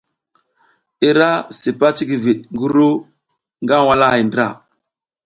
I ra sipas cikivid ngi ru nag walahay ndra.